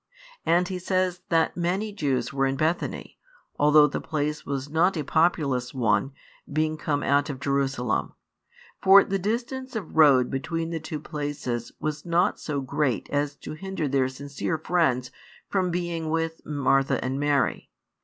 And he says that many Jews were in Bethany, although the place was not a populous one, being come out of Jerusalem; for the distance of road between the two places was not so great as to hinder their sincere friends from being with Martha and Mary.